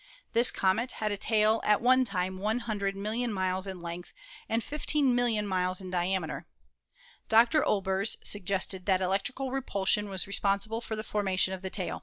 This comet had a tail at one time 100 million miles in length and 15 million miles in diameter. Dr. Olbers suggested that electrical repulsion was responsible for the formation of the tail.